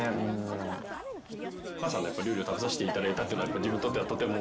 お母さんの料理を食べさせて頂いたっていうのはやっぱり自分にとってはとても。